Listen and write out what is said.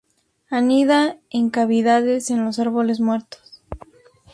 Anida en cavidades en los árboles muertos.